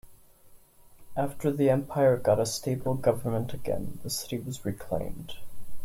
After the empire got a stable government again, the city was reclaimed.